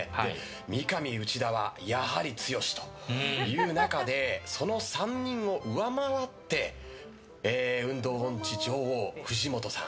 三上、内田はやはり強しという中でその３人を上回って運動音痴女王、藤本さん。